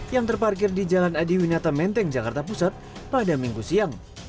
yang terparkir di jalan adiwinata menteng jakarta pusat pada minggu siang